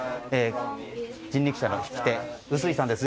人力車の引き手、碓井さんです